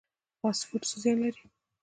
فاسټ فوډ څه زیان لري؟